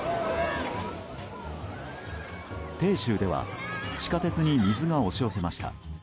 鄭州では地下鉄に水が押し寄せました。